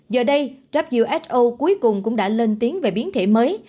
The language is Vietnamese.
giờ đây who cuối cùng cũng đã lên tiếng về biến thể mới